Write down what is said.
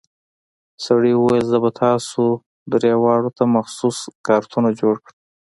سړي وويل زه به تاسو درې واړو ته مخصوص کارتونه جوړ کم.